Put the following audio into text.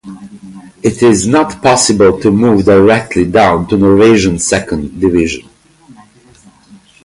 It is not possible to move directly down to Norwegian Second Division.